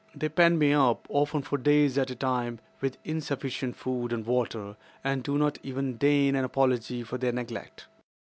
"They pen me up, often for days at a time, with insufficient food and water, and do not even deign an apology for their neglect.